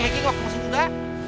hacking waktu masih muda